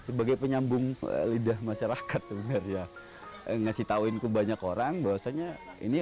sebagai penyambung lidah masyarakat sebenarnya ngasih tahuin ke banyak orang bahwasanya ini